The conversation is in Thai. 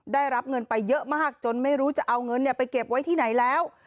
ได้รับเงินไปเยอะมากจนไม่รู้จะเอาเงินไปเก็บไว้ที่ไหนแล้ว